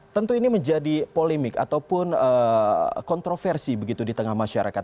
tentu ini menjadi polemik ataupun kontroversi begitu di tengah masyarakat